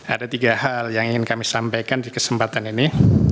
ada tiga hal yang ingin kami sampaikan di kesempatan ini